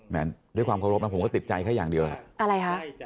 ด้วยความเคารพนะผมก็ติดใจแค่อย่างเดียวแหละอะไรคะ